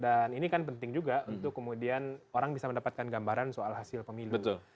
dan ini kan penting juga untuk kemudian orang bisa mendapatkan gambaran soal hasil pemilih